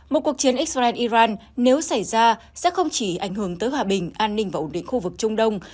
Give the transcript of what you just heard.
một cuộc chiến israel iran nếu xảy ra sẽ không chỉ ảnh hưởng tới hòa bình an ninh và ổn định khu vực trung đông